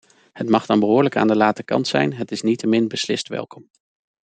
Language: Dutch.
Het mag dan behoorlijk aan de late kant zijn, het is niettemin beslist welkom.